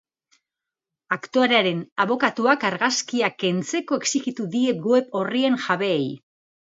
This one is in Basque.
Aktorearen abokatuak argazkiak kentzeko exijitu die web orrien jabeei.